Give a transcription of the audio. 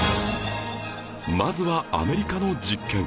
まずはアメリカの実験